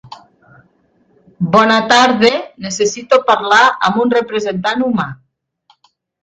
Bona tarda, necessito parlar amb un representant humà.